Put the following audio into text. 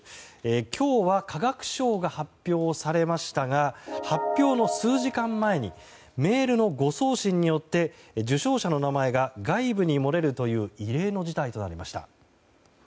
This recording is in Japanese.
今日は化学賞が発表されましたが発表の数時間前にメールの誤送信によって受賞者の名前が外部に漏れるという異例の事態となりました。